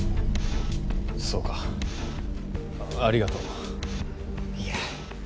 そうかありがとう。いえ。